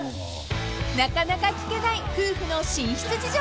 ［なかなか聞けない夫婦の寝室事情］